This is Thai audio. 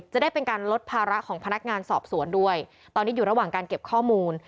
จะได้เป็นการลดภาระของพนักงานสอบสวนด้วยตอนนี้อยู่ระหว่างการเก็บข้อมูล